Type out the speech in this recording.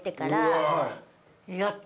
やった。